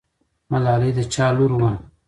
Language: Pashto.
ملالۍ د چا لور وه؟